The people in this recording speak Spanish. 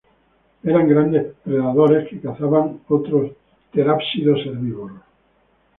Eran grandes predadores que cazaban otros terápsidos herbívoros.